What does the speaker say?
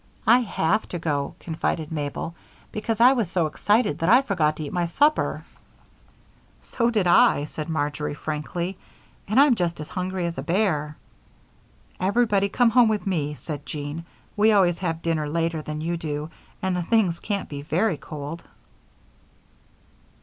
"I have to go," confided Mabel, "because I was so excited that I forgot to eat my supper." "So did I," said Marjory, frankly, "and I'm just as hungry as a bear." "Everybody come home with me," said Jean. "We always have dinner later than you do and the things can't be very cold."